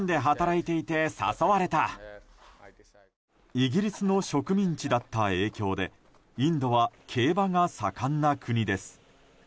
イギリスの植民地だった影響でインドは競馬が盛んな国です。